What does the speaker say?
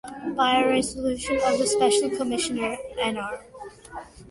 By resolution of the Special Commissioner Nr.